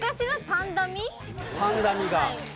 パンダみが。